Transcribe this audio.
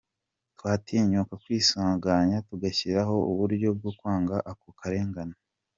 Twatinyuka kwisuganya tugashyiraho uburyo bwo kwanga ako karengane?